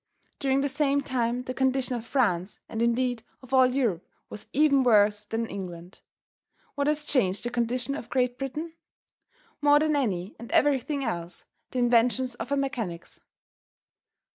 During the same time the condition of France and indeed of all Europe was even worse than England. What has changed the condition of Great Britain? More than any and everything else, the inventions of her mechanics.